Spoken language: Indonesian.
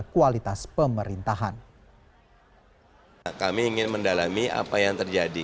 kami ingin mendalami apa yang terjadi